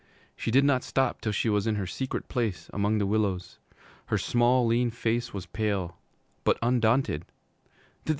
She did not stop till she was in her Secret Place among the willows. Her small lean face was pale, but undaunted.